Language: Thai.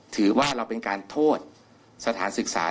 ถือว่าเราเป็นการโทษสถานศึกษา